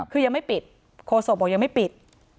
คือยังไม่ปิดโคศกบอกยังไม่ปิด